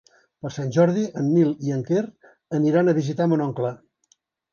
Per Sant Jordi en Nil i en Quer aniran a visitar mon oncle.